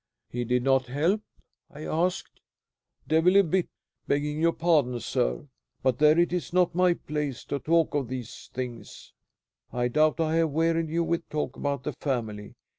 "He did not help?" I asked. "Devil a bit, begging your pardon, sir. But there! it is not my place to talk of these things. I doubt I have wearied you with talk about the family.